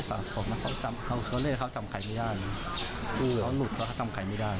เขาหนุดว่าเขาจำไข่ไม่ได้